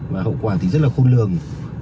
và hậu quả thì rất là khôn lường